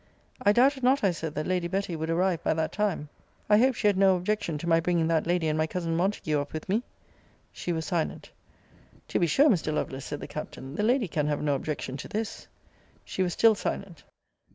I doubted not, I said, that Lady Betty would arrive by that time. I hoped she had no objection to my bringing that lady and my cousin Montague up with me? She was silent. To be sure, Mr. Lovelace, said the Captain, the lady can have no objection to this. She was still silent.